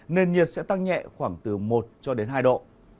nền nhiệt sẽ tăng nhẹ khoảng từ một hai độ